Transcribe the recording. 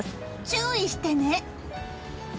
注意してね。